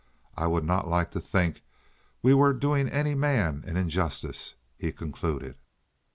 "I would not like to think we were doing any man an injustice," he concluded.